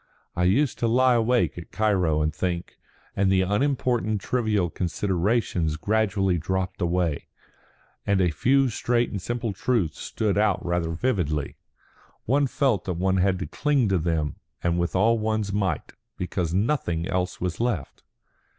I used to lie awake at Cairo and think; and the unimportant trivial considerations gradually dropped away; and a few straight and simple truths stood out rather vividly. One felt that one had to cling to them and with all one's might, because nothing else was left."